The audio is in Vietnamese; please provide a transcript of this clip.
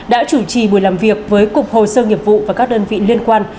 đã chủ trì buổi làm việc với cục hồ sơ nghiệp vụ và các đơn vị liên quan